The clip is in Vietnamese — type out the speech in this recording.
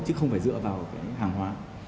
chứ không phải dựa vào cái hàng hóa